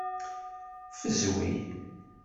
Ffezwi.